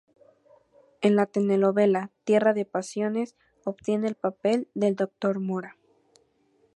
En la telenovela "Tierra de pasiones", obtiene el papel del Doctor Mora.